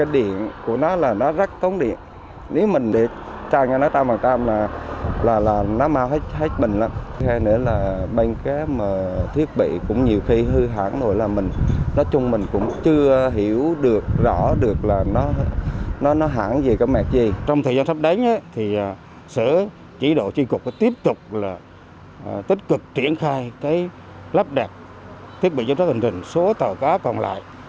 trong thời gian sắp đến sở chỉ độ tri cục tiếp tục tích cực triển khai lắp đặt thiết bị giám sát hành trình số tàu cá còn lại